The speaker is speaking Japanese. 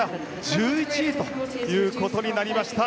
１１位ということになりました。